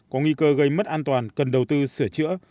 có nguy cơ gây mất an toàn cần đầu tư sửa chữa